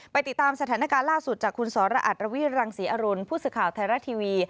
ติดตามสถานการณ์ล่าสุดจากคุณสรอัตรวิรังศรีอรุณผู้สื่อข่าวไทยรัฐทีวี